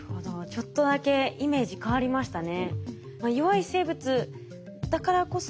ちょっとだけイメージ変わりましたね。